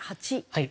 はい。